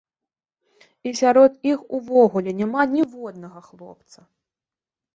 І сярод іх увогуле няма ніводнага хлопца!